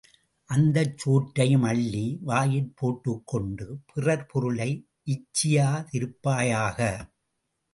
அந்தச் சோற்றையும் அள்ளி வாயிற் போட்டுக்கொண்டு, பிறர்பொருளை இச்சியா திருப்பாயாக!